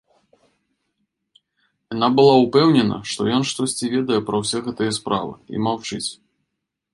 Яна была ўпэўнена, што ён штосьці ведае пра ўсе гэтыя справы і маўчыць.